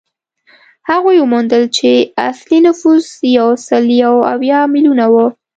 هغوی وموندل چې اصلي نفوس یو سل یو اویا میلیونه وو.